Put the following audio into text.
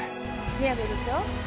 宮部部長